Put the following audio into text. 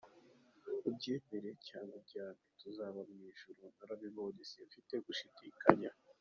Ubyemere cyangwa ubyange tuzaba mu ijuru kuko narabibonye, simfite gushidikanya.